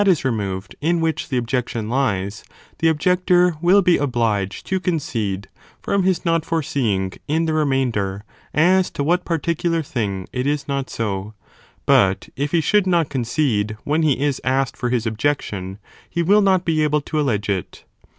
is removed in which the objection lies, (the objector) will be obliged to concede from his not foreseeing in the remainder, as to what particular thing it is not so, but if he should not con cede when he is asked for his objection, he will not be able to allege it.